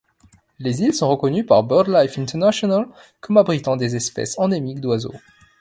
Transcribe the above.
Les îles sont reconnues par BirdLife International comme abritant des espèces endémiques d'oiseaux.